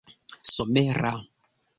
somera